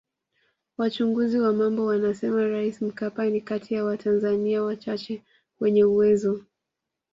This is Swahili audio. Wachunguzi wa mambo wanasema Rais Mkapa ni kati ya watanzania wachache wenye uwezo